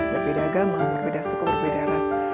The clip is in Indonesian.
berbeda agama berbeda suku berbeda ras